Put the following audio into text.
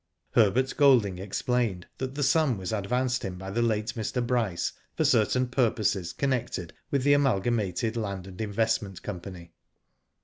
Herbert Golding explained that the sum was advanced him by the late Mr. Bryce for certain purposes connected with the Amalgamated Land and Investment Company.